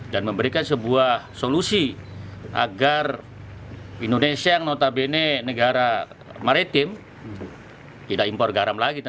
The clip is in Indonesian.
dan memberikan sebuah solusi agar indonesia yang notabene negara maritim tidak impor garam lagi